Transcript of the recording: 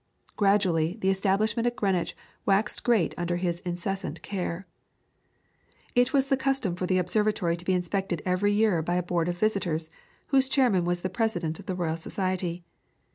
Gradually the establishment at Greenwich waxed great under his incessant care. It was the custom for the observatory to be inspected every year by a board of visitors, whose chairman was the President of the Royal Society.